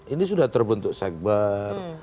ini sudah terbentuk segber